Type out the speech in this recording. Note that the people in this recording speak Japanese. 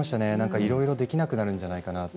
いろいろできなくなるんじゃないかなって。